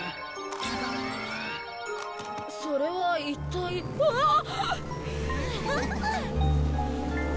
それは一体うわっ！？